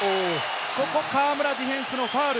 ここ、河村、ディフェンスのファウル。